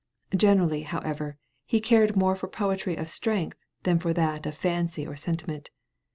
Generally, however, he cared more for poetry of strength than for that of fancy or sentiment.